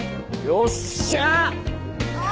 よっしゃあ！